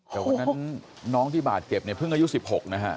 แต่วันนั้นน้องที่บาดเจ็บเนี่ยเพิ่งอายุ๑๖นะฮะ